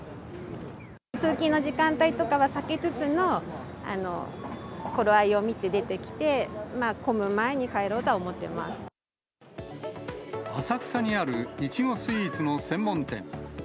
通勤の時間帯とかは避けつつの、頃合いを見て出てきて、まあ、浅草にあるいちごスイーツの専門店。